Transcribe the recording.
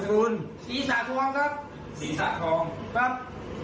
คนจังหวัดอะไร